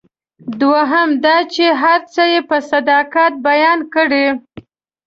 دوهم دا چې هر څه یې په صداقت بیان کړي.